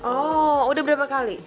oh udah berapa kali